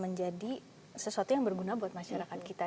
menjadi sesuatu yang berguna buat masyarakat kita